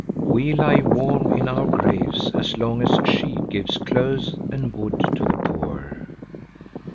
"We lie warm in our graves as long as she gives clothes and wood to the poor."